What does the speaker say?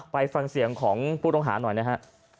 ไปฟังเสียงของผู้ต้องหาหน่อยนะฮะ